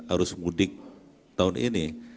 arus mudik tahun ini